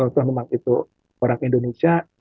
tuhan memang itu orang indonesia